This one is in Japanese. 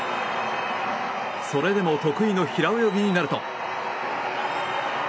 それでも得意の平泳ぎになると。